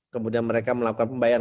kemudian mereka melakukan pembelian